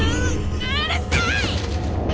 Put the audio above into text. うるさい！